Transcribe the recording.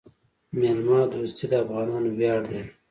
میلمه دوستي د افغانانو ویاړ دی.